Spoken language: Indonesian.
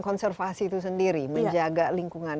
konservasi itu sendiri menjaga lingkungan